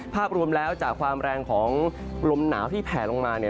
ภาพรวมแล้วจากความแรงของลมหนาวที่แผ่ลงมาเนี่ย